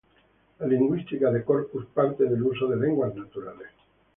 La Lingüística de corpus parte del uso de lenguas naturales.